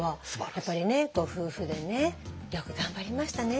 やっぱりご夫婦でね「よく頑張りましたね」